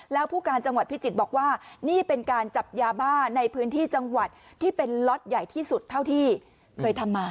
แล้วผู้การจังหวัดพิจิตรบอกว่านี่เป็นการจับยาบ้าในพื้นที่จังหวัดที่เป็นล็อตใหญ่ที่สุดเท่าที่เคยทำมา